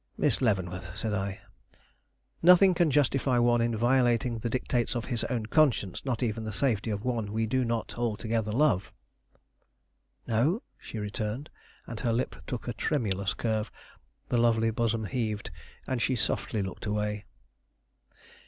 "Miss Leavenworth," said I, "nothing can justify one in violating the dictates of his own conscience, not even the safety of one we do not altogether love." "No?" she returned; and her lip took a tremulous curve, the lovely bosom heaved, and she softly looked away.